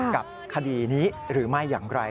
กับคดีนี้หรือไม่อย่างไร